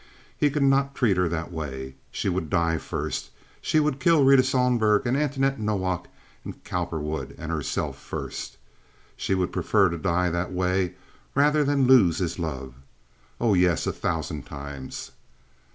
He could not treat her that way. She would die first! She would kill Rita Sohlberg and Antoinette Nowak and Cowperwood and herself first. She would prefer to die that way rather than lose his love. Oh yes, a thousand times!